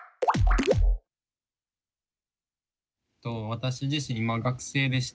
私自身今学生でして。